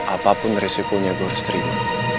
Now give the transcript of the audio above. apapun risikonya gue harus terima